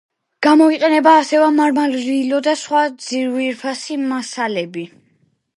გამოიყენება ასევე მარმარილო და სხვა ძვირფასი მასალები.